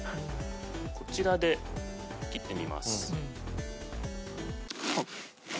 こちらで切ってみます。